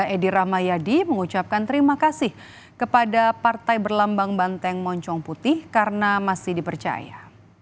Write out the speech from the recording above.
edi rahmayadi mengucapkan terima kasih kepada partai berlambang banteng moncong putih karena masih dipercaya